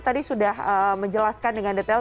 tadi sudah menjelaskan dengan detail